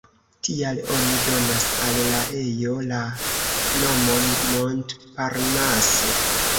Tial oni donas al la ejo la nomon "Montparnasse.